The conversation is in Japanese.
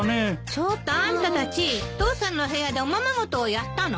ちょっとあんたたち父さんの部屋でおままごとをやったの？